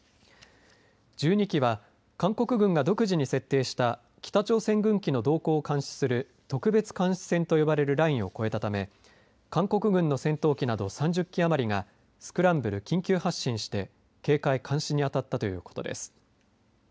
１２機は韓国軍が独自に設定した北朝鮮軍機の動向を監視する特別監視線と呼ばれるラインを越えたため韓国軍の戦闘機など３０機余りがスクランブル、緊急発進して警戒・監視に当たったということです。